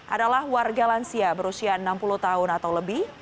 adalah warga lansia berusia enam puluh tahun atau lebih